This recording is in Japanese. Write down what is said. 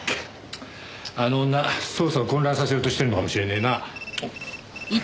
あの女捜査を混乱させようとしてるのかもしれねえな。